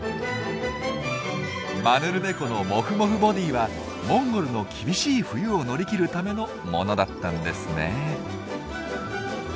マヌルネコのモフモフボディーはモンゴルの厳しい冬を乗り切るためのものだったんですね。